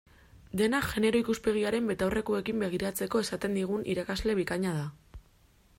Dena genero ikuspegiaren betaurrekoekin begiratzeko esaten digun irakasle bikaina da.